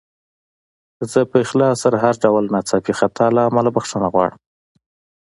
زه په اخلاص سره د هر ډول ناڅاپي خطا له امله بخښنه غواړم.